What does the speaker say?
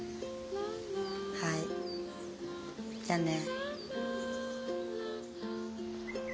はいじゃあね。